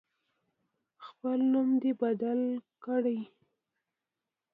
خپل نوم دی بدل کړي.